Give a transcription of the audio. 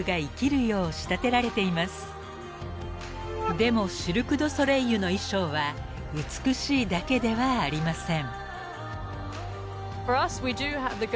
［でもシルク・ドゥ・ソレイユの衣装は美しいだけではありません］